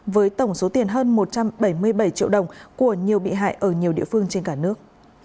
với tổng số tiền hơn một trăm bảy mươi bảy triệu đồng của nhiều bị hại ở nhiều địa phương trên cả nước